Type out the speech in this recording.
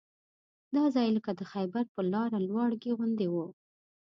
دا ځای لکه د خیبر پر لاره لواړګي غوندې وو.